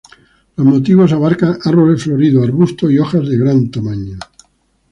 Los motivos abarcan árboles floridos, arbustos y hojas de gran tamaño.